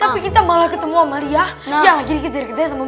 tapi kita malah ketemu amalia yang lagi ini kejar kejar sama butet